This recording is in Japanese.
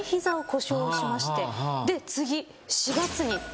で次。